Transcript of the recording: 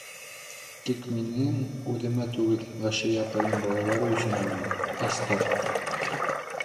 Тик минең үҙемә түгел, Ғәшиә апайҙың балалары өсөн ине ул. Астар.